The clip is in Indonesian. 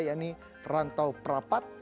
yakni rantau prapat